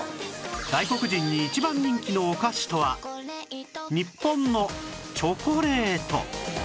外国人に一番人気のお菓子とは日本のチョコレート